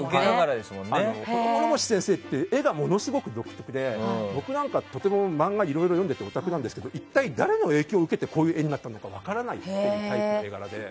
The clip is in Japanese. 諸星先生は絵がものすごく独特で僕なんかいろいろ漫画を読んでオタクなんですが一体、誰の影響を受けてこういう絵になったのかが分からないタイプの絵柄で。